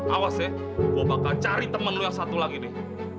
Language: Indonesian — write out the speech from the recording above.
awas ya gue bakal cari temen lu yang satu lagi nih